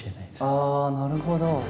あぁなるほど。